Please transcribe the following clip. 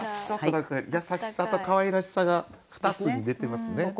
ちょっと何か優しさとかわいらしさが「ふたつ」に出てますね。